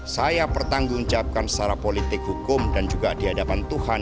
saya pertanggungjawabkan secara politik hukum dan juga di hadapan tuhan